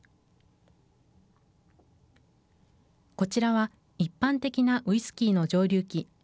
こちらは一般的なウイスキーの蒸留器。